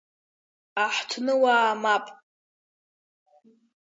Аҳҭныуаа мап.